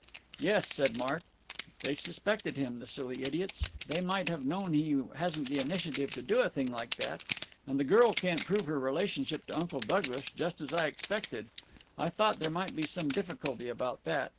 "Yes," said Mark, "they suspected him, the silly idiots! They might have known he hasn't the initiative to do a thing like that. And the girl can't prove her relationship to Uncle Douglas, just as I expected. I thought there might be some difficulty about that.